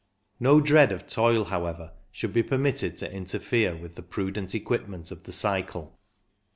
No dread of toil, however, should be permitted to interfere with the prudent equipment of the cycle.